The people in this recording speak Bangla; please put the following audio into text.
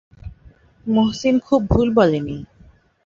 মহসিন খুব ভুল বলে নি।